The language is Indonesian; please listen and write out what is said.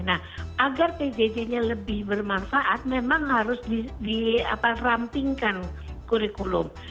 nah agar pjj nya lebih bermanfaat memang harus dirampingkan kurikulum